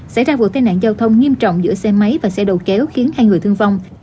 xảy ra vụ tai nạn giao thông nghiêm trọng giữa xe máy và xe đầu kéo khiến hai người thương vong